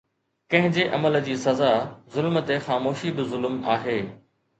ڪنهن جي عمل جي سزا، ظلم تي خاموشي به ظلم آهي